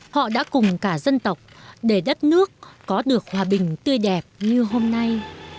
họ đã cùng cả dân tộc để đất nước có được hòa bình tươi đẹp như hôm nay